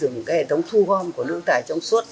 dựng cái hệ thống thu gom của nước thải trong suốt